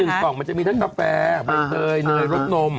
ในหนึ่งกล่องมันจะมีทั้งกาแฟเบอร์เตยเนยรสนม